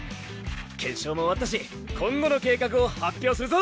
検証も終わったし今後の計画を発表するぞ。